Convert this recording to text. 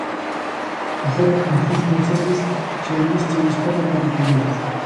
Agora nalgúns concellos xa hai listas de espera para recollelos.